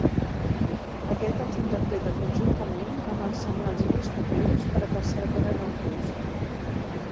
Aquest els interpreta conjuntament amb els senyals gustatius per a percebre'n el gust.